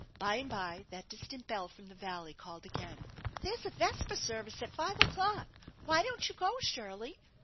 By and by that distant bell from the valley called again. " There's a vesper service at five o'clock. Why don't you go, Shirley